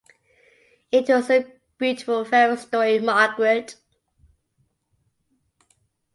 It was a beautiful fairy story, Margaret.